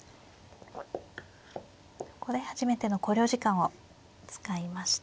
ここで初めての考慮時間を使いました。